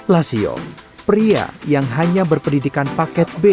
lasio pria yang hanya berpendidikan pisang dan tanaman pisang